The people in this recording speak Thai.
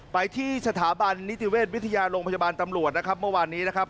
ไปที่สถาบันนิติเวชวิทยาโรงพยาบาลตำรวจนะครับเมื่อวานนี้นะครับ